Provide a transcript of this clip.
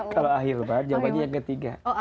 kalau akhir bahar jawabannya yang ketiga